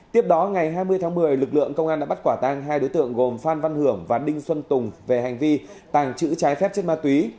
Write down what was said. tiếp đó ngày hai mươi tháng một mươi lực lượng công an đã bắt quả tang hai đối tượng gồm phan văn hưởng và đinh xuân tùng về hành vi tàng trữ trái phép chất ma túy